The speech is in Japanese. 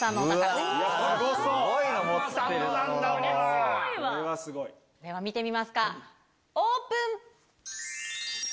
では見てみますかオープン！